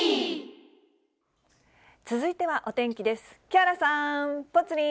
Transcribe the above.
続いてはお天気です。